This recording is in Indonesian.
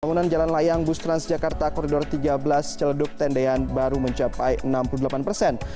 pembangunan jalan layang bus transjakarta koridor tiga belas celeduk tendean baru mencapai enam puluh delapan persen